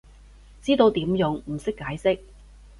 知道點用，唔識解釋